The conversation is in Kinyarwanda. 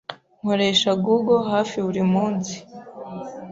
Nkoresha Google hafi buri munsi.